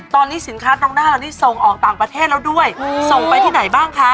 ตอนนี้สินค้าตรงหน้าเรานี่ส่งออกต่างประเทศแล้วด้วยส่งไปที่ไหนบ้างคะ